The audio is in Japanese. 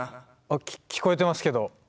あっ聞こえてますけど。